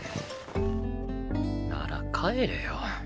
なら帰れよ。